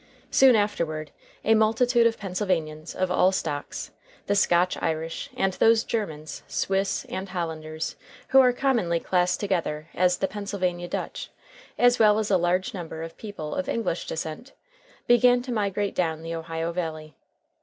Soon afterward a multitude of Pennsylvanians of all stocks the Scotch Irish and those Germans, Swiss, and Hollanders who are commonly classed together as the Pennsylvania Dutch, as well as a large number of people of English descent began to migrate down the Ohio Valley.